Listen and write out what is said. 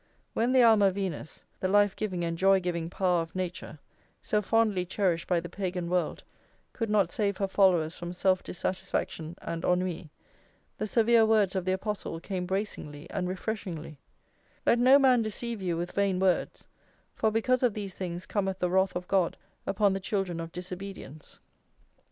When the alma Venus, the life giving and joy giving power of nature, so fondly cherished by the Pagan world, could not save her followers from self dissatisfaction and ennui, the severe words of the apostle came bracingly and refreshingly: "Let no man deceive you with vain words, for because of these things cometh the wrath of God upon the children of disobedience."